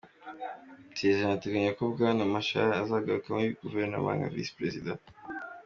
Amasezerano ateganya ko Bwana Machar azagaruka muri guverinoma nka visi perezida.